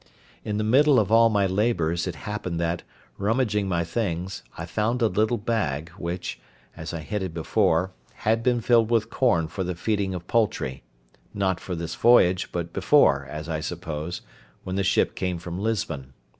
In the middle of all my labours it happened that, rummaging my things, I found a little bag which, as I hinted before, had been filled with corn for the feeding of poultry—not for this voyage, but before, as I suppose, when the ship came from Lisbon.